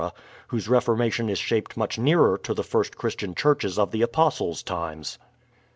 whose reformation is shaped much nearer to the first Christian churches of the Apostles' times."